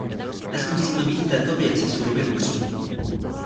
Dnes musíme být v této věci surově upřímní.